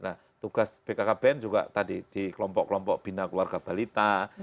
nah tugas bkkbn juga tadi di kelompok kelompok bina keluarga balita